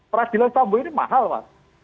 peradilan sambu ini mahal mas